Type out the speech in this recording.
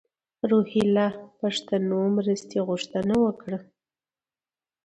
روهیله پښتنو مرستې غوښتنه وکړه.